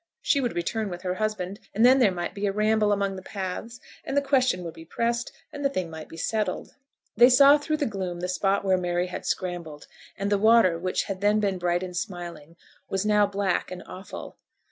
She would return with her husband, and then there might be a ramble among the paths, and the question would be pressed, and the thing might be settled. They saw through the gloom the spot where Mary had scrambled, and the water which had then been bright and smiling, was now black and awful.